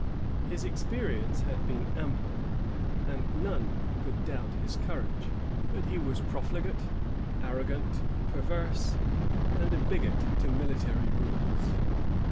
His experience had been ample, and none could doubt his courage; but he was profligate, arrogant, perverse, and a bigot to military rules.